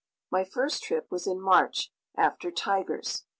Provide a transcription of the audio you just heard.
My first trip was in March, after tigers.